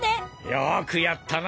よくやったな！